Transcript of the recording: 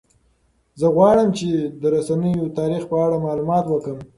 زه غواړم چې د رسنیو د تاریخ په اړه مطالعه وکړم.